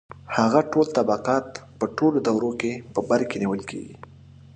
• هغه ټول طبقات په ټولو دورو کې په بر کې نیول.